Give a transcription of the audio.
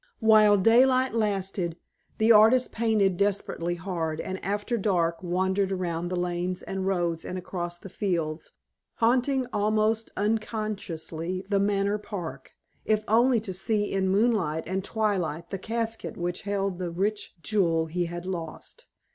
While daylight lasted, the artist painted desperately hard, and after dark wandered round the lanes and roads and across the fields, haunting almost unconsciously the Manor Park, if only to see in moonlight and twilight the casket which held the rich jewel he had lost.